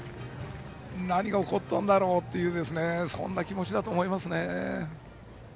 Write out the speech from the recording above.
何が起こったんだろうというそんな気持ちだと思いますね。